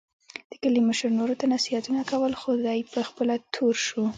د کلي مشر نورو ته نصیحتونه کول، خو دی په خپله تور شو.